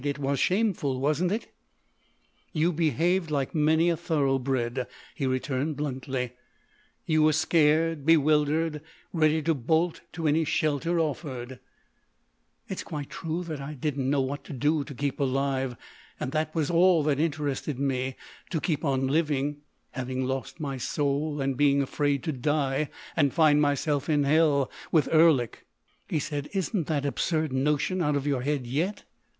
It was shameful, wasn't it?" "You behaved like many a thoroughbred," he returned bluntly; "you were scared, bewildered, ready to bolt to any shelter offered." "It's quite true I didn't know what to do to keep alive. And that was all that interested me—to keep on living—having lost my soul and being afraid to die and find myself in hell with Erlik." He said: "Isn't that absurd notion out of your head yet?"